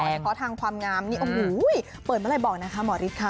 เฉพาะทางความงามนี่โอ้โหเปิดเมื่อไหร่บอกนะคะหมอฤทธิ์ค่ะ